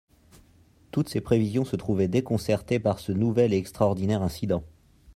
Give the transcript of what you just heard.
Toutes ses prévisions se trouvaient déconcertées par ce nouvel et extraordinaire incident.